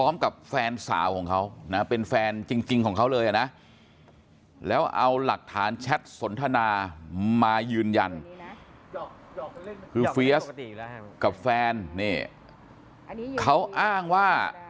มากกว่าคนรู้จักเอาลงฟังดูนะฮะ